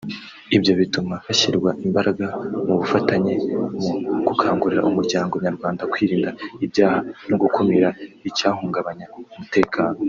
ibyo bituma hashyirwa imbaraga mu bufatanye mu gukangurira Umuryango Nyarwanda kwirinda ibyaha no gukumira icyahungabanya umutekano